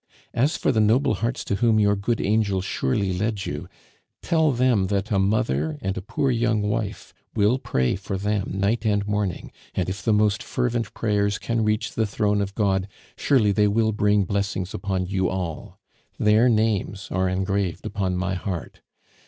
As for the noble hearts to whom your good angel surely led you, tell them that a mother and a poor young wife will pray for them night and morning; and if the most fervent prayers can reach the Throne of God, surely they will bring blessings upon you all. Their names are engraved upon my heart.